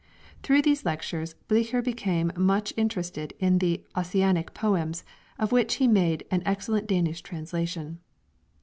Through these lectures Blicher became much interested in the Ossianic poems, of which he made an. Excellent Danish translation.